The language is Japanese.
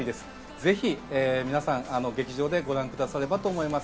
ぜひ皆さん劇場でご覧くださればと思います。